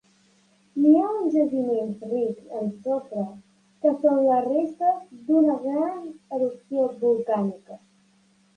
N'hi ha uns jaciments rics en sofre que són les restes d'una gran erupció volcànica.